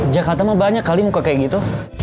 jakarta mah banyak kali muka kayak gitu